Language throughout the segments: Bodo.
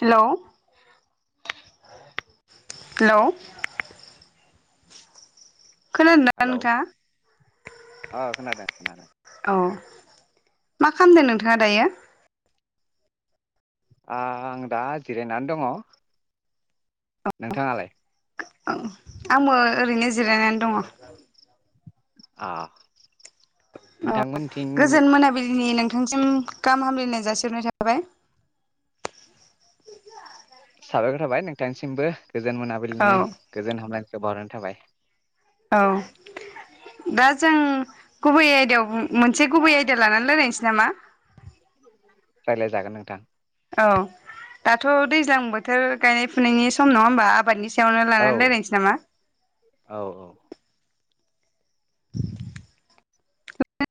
हेलौ हेलौ खोनादों ना हेलौ ओ खोनादों खोनादों नोंथाङा अह मा खालामदों नोंथाङा दायो आं दा जिरायनानै दङ नोंथाङालाय औ आंबो ओरैनो जिरायनानै दङ। अह औ गोजोन मोनाबिलिनि नों नोंथांसिम गाहाम हामलायनाय जासिहरनाय थाबाय साबायखर थाबाय नोंथांनिसिमबो गोजोन औ मोनाबिलिनि गोजोन हामलाय [unintelligible] थाबाय औ दा जों गुबै आयदायाव मोनसे गुबै आयदा लानानै रायलायनोसै नामा रायज्लायजागोन नोंथां औ दाथ' दैज्लां बोथोर गायनाय फुनायनि सम नङा होमबा आबादनि सायावनो औ लानानै रायलायनोसै नामा औ औ [inaudible]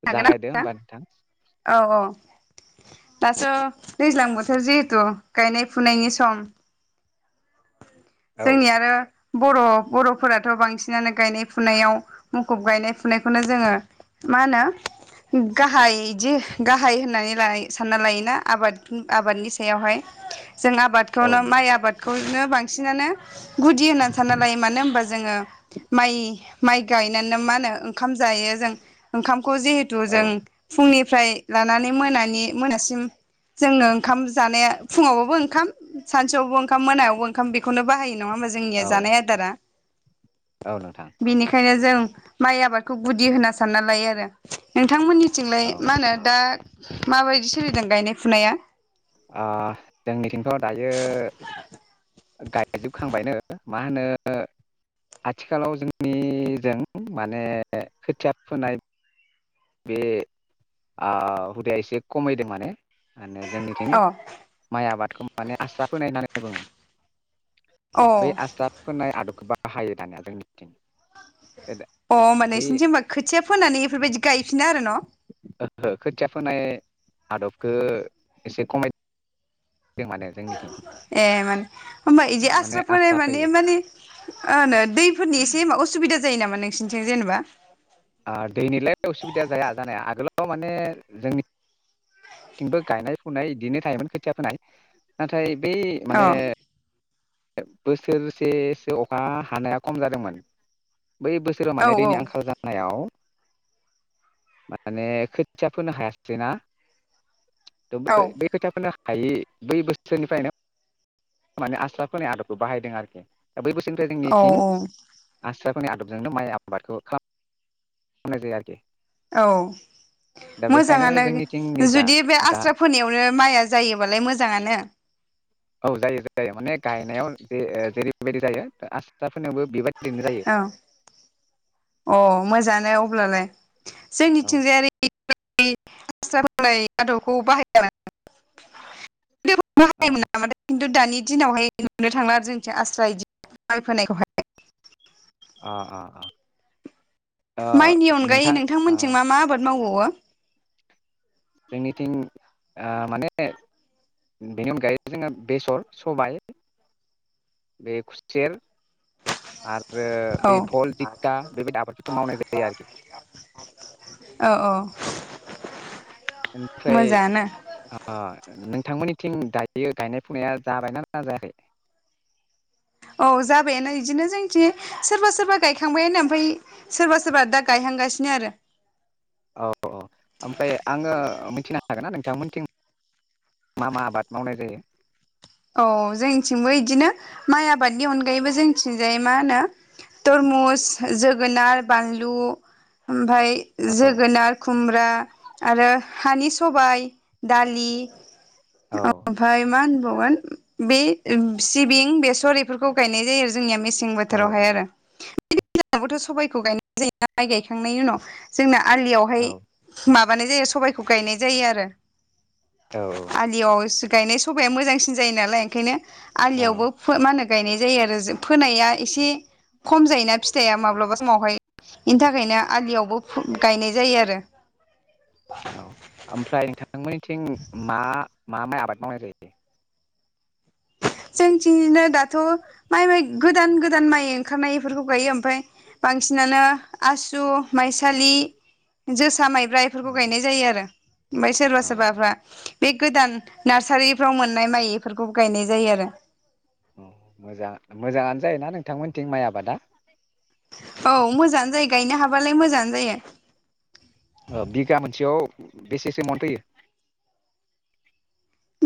हागोन ना जागायदो होमबा नोंथां औ औ दासो दैज्लां बोथोर जिहेथु गायनाय फुनायनि सम औ जोंनि आरो बर' बर'फोराथ' बांसिनानो गायनाय फुनायाव मुखुब गायनाय फुनायखौनो जोङो मा होनो गाहाय बिदि गाहाय होननानै सानना लायोना आबाद आबादनि सायावहाय जों औ आबादखौनो नोंथां माइ आबादखौ नो बांसिनानो गुदि होननानै सानना लायो मानो होनबा जोङो माइ माइ गायनानो मा होनो ओंखाम जायो जों ओंखाम खौ जिहेथु औ जों फुंनि फ्राय लानानै मोनानि मोनासिम जोङो ओंखाम जानाया फुङाव बाबो ओंखाम सानसुयावबो ओंखाम मोनायाव बो ओंखाम बेखौनो बाहायो। नङा होमबा जोंनिया औ जानाय आदारा? औ नोंथां बिनिखायनो जों माइ आबादखौ गुदि होनना सानना लायो आरो। उम थांमोननिथिंलाय औ मा होनो दा माबायदि सोलिदों गायनाय फुनाया? आ जोंनिथिं थ' दायो गायजोबखांबायनो मा होनो आथिखालाव जोंनिजों माने खोथिया फोनाय बे आ हुदाया एसे खमायदों माने। माने जोंनिथ अ [unintelligible] माइ आबाद खो माने आस्रा फोनाय होननानै अ बुङो। बै आस्रा फोनाय आदबखौ बा हायो दानिया जोंनिथिं। अ होमबा बे नोंसोरनिथिं होमबा खोथिया फोनानै बेफोरबायदि गायफिनो आरो न'? खोथिया फोनाय आदबखो एसे खमाय ए माने होमबा बिदि माने आस्रा फोनाय माने फैयो माने मा होनो दैफोरनि एसे मा अस सुबिदा जायो नामा नोंसिनिथिं जेनेबा? दैनिलाय उसुबिदा जाया जानाया आगोलाव माने जोंनिथिंबो गायनाय फुनाय इदिनो थायोमोन खोथिया फोनाय नाथाय बै अ माने बोसोरसेसो अखा हानाया खम जादोंमोन। बै बोसोराव औ मान दैनि आंखाल जा आव माने खोथिया फोनो हायासैना। थ' औ बै बै खोथिया फोनो हा हायै बै बोसोरनिफ्रायनो माने आस्रा फोनाय आदबखौ बाहायदों आरोखि। दा बै बोसोरनिफ्राय औ जोंनिथिं आस्रा फोनाय आदबजोंनो माइ आबादखौ खालामनाय जायो आरोखि। औ दा बेखायनो मोजाङानो जोंनिथिं नै दा जुदि बे दा आस्रा फोनायावनो माइआ जायोबालाय मोजाङानो। औ जायो जायो माने गायनायाव जे जेरैबायदि जायो आस्राफोनायावबो बेबाद दिनो जायो। औ अ मोजानो अब्लालाय। औ जोंनिथिंजाय आरो इ [unintelligible] आदबखौ बाहाय [unintelligible] औ माने खिन्थु दानि दिनावहाय नुनो थांला आरो जों आस्रा बिदि माइ फोनायखौहाय अ अ अ माइनि अनगायै नोंथां ओ नोंथांमोनथिं मा मा आबाद मावबावो? जोंनिथिं ओ माने बेनि अनगायै जोङो बेसर, सबाइ बे खुसेर आरो आरो औ बे भल जिंखा बेबायदि आबादफोरखौ मावनाय जायो आरोखि, औ औ ओमफ्राय मोजाङानो नों नोंथांमोननिथिं दायो गायनाय फुनाया जाबायना जायाखै? औ जाबायानो बिदिनो जोंथि सोरबा सोरबा गायखांबायानो ओमफ्राय सोरबा सोरबा दा गायहांगासिनो आरो औ औ ओमफ्राय आङो मिथिनो हागोन ना नोंथां मोननिथिं मा मा आबाद मावनाय जायो? औ जोंथिंबो इदिनो माइ आबादनि अनगायैबो जोंनिथिंजाय मा होनो तरमुस, जोगोनार, बानलु ओमफ्राय औ जोगोनार, खुमब्रा आरो हानि सबाइ, दालि औ अ फाय मा होनबाव गोन बे सिबिं, बेसर बेफोरखौ गायनाय जायो आरो जोंनिया मेसिं औ बोथोरावहाय आरो [unintelligible] बोथ' सबाइखौ गायनाय जायोना माइ गायखांनायनि उनाव जोंना आलियावहाय औ माबा माने जायो सबबायखौ गायनाय जायो आरो औ आलिव असु गायनाय सबाया मोजांसिन जायो नालाय ओंखायनो औ आलियावबो मा होनो गायनाय जायो आरो फोनाया एसे खम जायोना फिथाइया माब्लाबा समावहाय बेनि थाखायनो आलियावबो गायनाय जायो आरो औ ओमफ्राय नोंथांमोनथिं मा मा माय आबाद मावनाय जायोदि जोंथिंनो दाथ' माइ माइ गोदान गोदान माइ ओंखारनाय बेफोरखौ गायो ओमफफ्राय बांसिनानो आसु माइसालि जोसा माइ। माइफोरखौ औ गायनाय जायो आरो ओमफ्राय सोरबा औ सोरबाफ्रा बे गोदान नार्सारिफ्राव मोननाय माइफोरखौ गायनाय जायो आरो मोजां मोजाङानो जायोना नोंथांमोनथिं माइ आबादा औ मोजाङआ जायो गायनो हाबालाय मोजाङ जायो बिगा मोनसेयाव बेसेसो म फैयो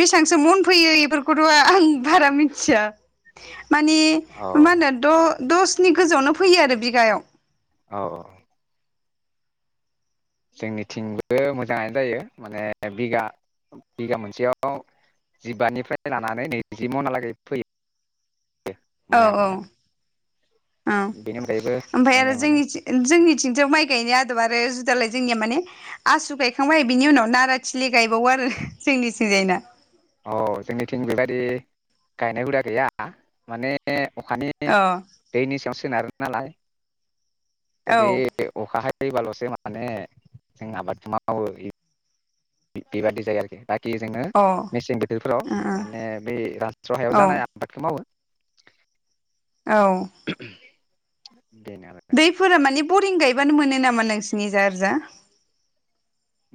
बेसेबांसो मन फैयो बेफोरखौथ' आं बारा मिथिया मानि औ मा होनो द' दसनि गोजौआवनो फैयो आरो बिगायाव औ औ जोंनिथिंबो मोजाङानो जायो माने बिगा बिगा मोनसेयाव जिबानिफ्राय लानानै नैजि मनाहालागै फैयो औ माइ औ आबादा औ बेनि अनगायैबो ओमफ्राय आरो जोङो जों माने जोंनिथिं थ माइ गायनाय आदब आरो जुदालाय जोंनिया माने आसु गायखांबाय बिनि उनाव नाराथिलि गायबावो आरो जोंनिथिंजायना औ जोंनिथिं बेबायदि गायनाय हुदा गैया माने अखानि अ औ दैनि सायाव सोनारो नालाय दा अ बे अखा फैबाल'सो माने जों आबादथि मावो बेबादि जायो आरोखि बाखि जोंङनो औ मेसें बोथोरफोराव माने बे राज्रहायाव औ जानाय आबादखौ मावो औ [inaudible] बैफोरा मानि बरिं गायबानो मोनो नामा नोंसिनि जा एरैजा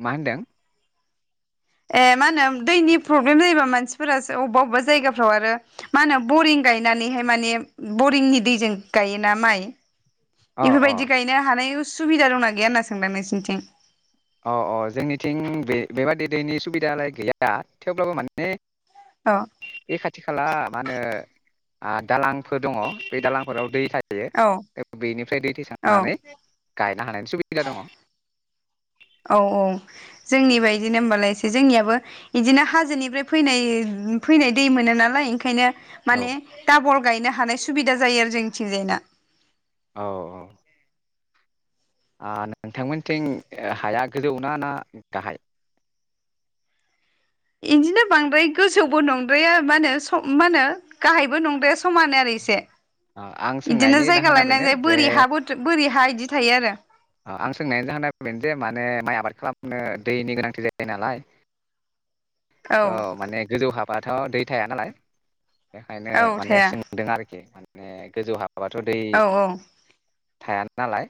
मा होनदों ए मा होनो दैनि प्रब्लेम जायोबा मानसिफोरा अबेबा अबेबा जायगाफ्राव आरो मा होनो बरिं गायनानैहाय माने बरिंनि दैजों गायोना माइ अ अ बेफोरबायदि गायनो हानाय सुबुबिदा दंना गैया होनना सोंदां नोंसोरनिथिं अ अ जोंनिथिं बे बेबादि दैनि सुबिदालाय गैया थेवब्लाबो माने औ बे खाथि खाला मा होनो ओ दालांफोर दङ' बे दालांफोराव दै थायो औ थायो बेनिफ्राय दै औ थैखांनानै गायनो हानायनि सुबिदा दङ' औ औ जोंनि बायदिनो होमबालाय एसे जोंनियाबो बिदिनो हाजोनिफ्राय फैनाय फैनाय दै मोनो नालाय ओंखायनो औ माने दाबल गायनो हानाय सुबिदा जायो आरो जोंनिथिंजायना औ औ ओ नोंथांमोनथिं हाया गोजौना ना गाहाय इदिनो बांद्राय गोजौबो नंद्राया मा होनो सम मा होनो गाहायबो नंद्राया स समानो आरो इसे आं इदिनो सोंनायनि जायगा जाहोना लायनानै बेनो ज जे बोरै हाबो बोरि हा इदि थायो आरो अ आं सोंनायानो जाहा फैदों जे माने माइ आबाद खालामनो दैनि गोनांथि जायो नालाय आरो अ माने गोजौ हाब बाथ' दै थाया नालाय बेखायनो औ माने थाया सोंदों आरोखि मे गोजौ हाब हाबाथ' दै औ थाया नालाय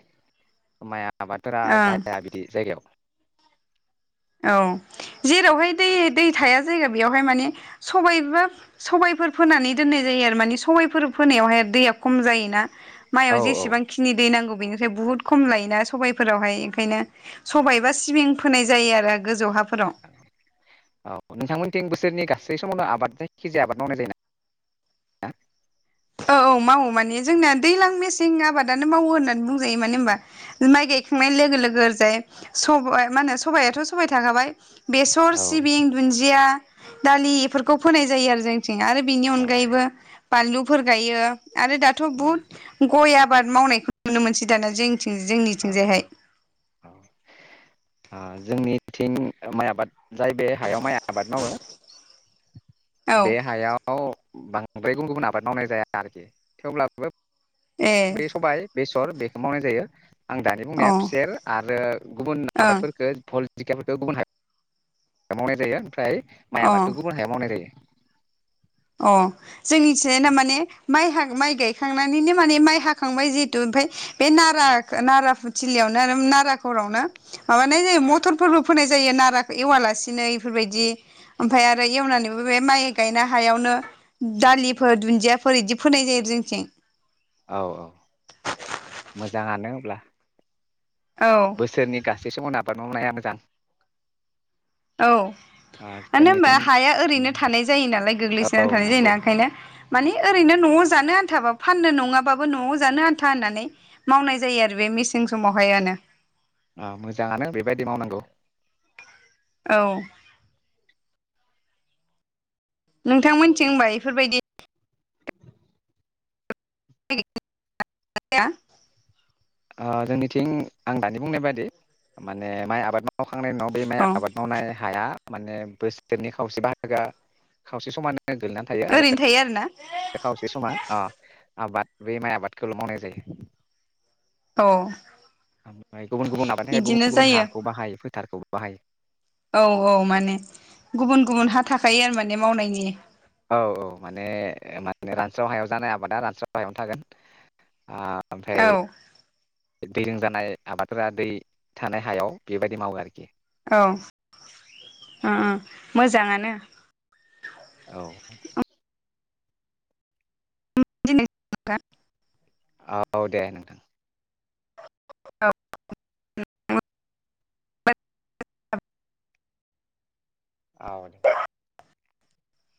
माया आबादफोरा ओं जाया बिदि जायगायाव औ जेरावहाय दै दै थाया जायगा बेयावहाय माने सबाइबा सबायाइफोर फोनानै दोननाय जायो आरो माने सबायाइफोर फोनायावहाय दैया खम जायोना माइआव औ औ जेसेबांखिनि दै नांगौ बिनिफ्राय बुहुत खम लायोना सबाइफोरावहाय ओंखायनो सबाइ एबा सिंबिं फोनाय जा जायो आरो गोजौ हाब औ नोंथांमोनथिं बोसो सोरनि गासै समावनो आबाद जायखि जाया आबाद मावनाय जायो ना [unintelligible] औ औ मावो मानिे जोंना दैलां मेसें आबादानो मावो होननानै बुंजायो मानो होमबा माइ गायखांनाय लोगो लोगो ओरैजाय सबा मा होनो सबायाथ' सबाय थाखाबाय बेसर औ सिबिं दुन्दिया दालि बेफोरखौ फोनाय जायो आरो जोंनिथि आरो बिनि औ अनगायैबो बानलु फोर गायो आरो दाथ' उम बुहुत गय आबाद मावनायखौ नुनो मोनसै दाना जों औ जोंनिथिंजायहाय थिं माइ आबाद जाय बे हायाव माइ आबाद मावो औ बे हायाव बांद्राय गुबुन गुबुन आबाद मावनाय जाया आरोखि थेवब्लाबो ए बे सबाइ बे [unintelligible] बेखो मावनाय जायो आं दानि अ बुंनाया ओं खुसेर आरो गुबुन आबादफोरखो [unintelligible] [unintelligible] गुबुन हाय मावनाय जायो ओमफ्राय माइ अ आबादखौ गुबुन हायाव मावनाय जायो अ जोंनिथिंजायना माने माइ हां माइ गायखांनानैनो माने माइ हाखांबाय जिहेतु ओमफाय बे नारा नारा थिलियावनो आरो नाराघरावनो माबानाय जायो मथरफोरबो फोनाय जायो नाराखौ एवालासिनो इफोरबायदि ओमफाय आरो एवनानैबो बे माइ गायनो हा हायावनो दालिफोर दुन्दियाफोर बिदि फोनाय जायो जोंथिं औ औ मोजाङानो होनब्ला औ औ बोसोरनि गासै समावनो बाद मावनाया मोजां औ ओ मानो होनबा जोंनिथिं हाया ओरैनो थानाय जायो नालाय औ गोग्लैसोना थानाय नंगौ जायोना ओंखायनो माने ओरैनो न'आव जानो आन्थाबाबो फाननो नङाबाबो न'आव जानो आन्था होननानै मावनाय जायो आरो बे मेसें समावहाय आनो ओ मोजाङानो बेबायदि मावनांगौ औ नोंथांमोनथिं होनबा इफोरबायदि [unintelligible] ओ जोंनिथिं आं दानि बुंनाय बायदि माने माइ आबाद मा मावखांनायनि उनाव बे माइ औ आबाद मावनाय हाया माने बोसोरनि खावसे बाहागोआ खावसे समानो गोलैनानै थायो आरो ओरैनो थायो आरोना खावसे समा अ आबाद बे माइ आबादखौल' मावनाय जायो औ ओमफ्राय गुबुन गुबुन आबादनि थाखाय इदिनो गुबुन गुबुन जायो हाखौ बाहायो फोथारखौ बाहायो औ औ माने गुबुन गुबुन हा थाखायो आरो माने मावनायनि औ औ माने माने रानस्राव हायाव जानाय आबादा रानस्राव हायावनो थागोन आ औ ओमफ्राय दैजों जानाय आबादफोरा दै थानाय हायाव बेबायदि मावो आरोखि औ उम उम मोजाङानो औ [unintelligible] औ दे नोंथां [unintelligible] ओ दे [inaudible]